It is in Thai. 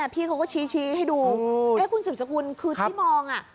พี่เขาก็ชี้ให้ดูคุณสืบสกุลคือที่มอง